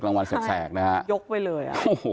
รางวัลแสบนะฮะยกไว้เลย